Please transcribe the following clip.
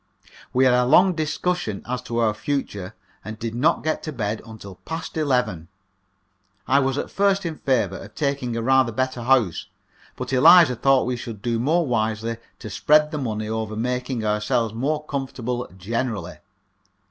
We had a long discussion as to our future, and did not get to bed until past eleven. I was at first in favour of taking a rather better house, but Eliza thought we should do more wisely to spread the money over making ourselves more comfortable generally.